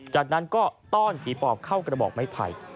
จากนั้นก็ต้อนผีปอบเข้ากระบอกไม้ไผ่